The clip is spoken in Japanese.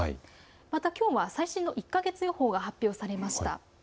またきょうは最新の１か月予報が発表されました。